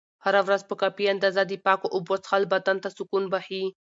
هره ورځ په کافي اندازه د پاکو اوبو څښل بدن ته سکون بښي.